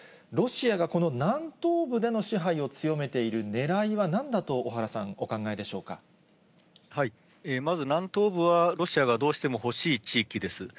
ロシアがこの南東部での支配を強めているねらいは、なんだと小原まず南東部は、ロシアがどうしても欲しい地域です。